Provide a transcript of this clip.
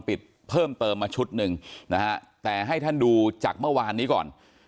เพิ่มเติมมาชุดหนึ่งนะฮะแต่ให้ท่านดูจากเมื่อวานนี้ก่อน